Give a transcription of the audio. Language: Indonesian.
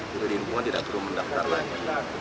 sudah diinvokan tidak perlu mendaftar lagi